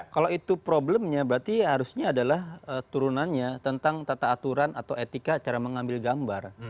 kalau itu problemnya berarti harusnya adalah turunannya tentang tata aturan atau etika cara mengambil gambar